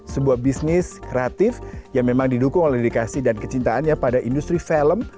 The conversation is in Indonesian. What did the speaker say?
sebuah bisnis kreatif yang memang didukung oleh dedikasi dan kecintaannya pada industri film